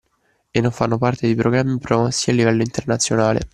E non fanno parte di programmi promossi a livello internazionale.